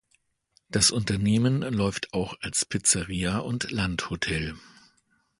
Das Unternehmen läuft auch als Pizzeria und Landhotel.